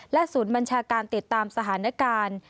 ศูนย์บัญชาการติดตามสถานการณ์